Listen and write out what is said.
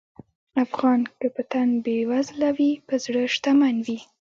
افغان که په تن بېوزله وي، په زړه شتمن وي.